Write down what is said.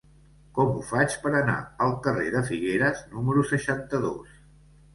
Com ho faig per anar al carrer de Figueres número seixanta-dos?